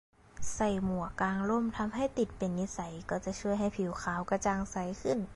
ใส่หมวก กางร่ม ทำให้ติดเป็นนิสัยก็จะช่วยให้ผิวขาวกระจ่างใสขึ้นแล้ว